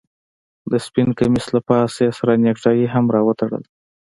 د سپين کميس له پاسه يې سره نيكټايي هم راوتړله.